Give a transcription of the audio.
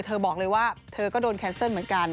บอกเลยว่าเธอก็โดนแคนเซิลเหมือนกัน